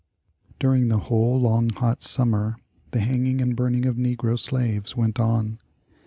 During the whole long, hot summer the hanging and burning of negro slaves went on.